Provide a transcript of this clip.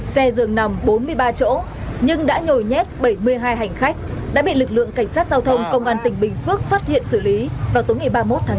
xe dường nằm bốn mươi ba chỗ nhưng đã nhồi nhét bảy mươi hai hành khách đã bị lực lượng cảnh sát giao thông công an tỉnh bình phước phát hiện xử lý vào tối ba mươi một tháng chín